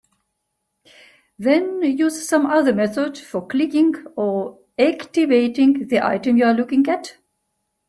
Then use some other method for clicking or "activating" the item you're looking at.